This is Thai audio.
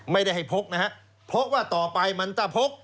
ไม่ได้ให้พกนะครับพกว่าต่อไปมันจะพก